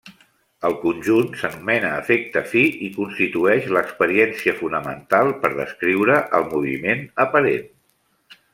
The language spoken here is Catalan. El conjunt s'anomena efecte fi i constitueix l'experiència fonamental per descriure el moviment aparent.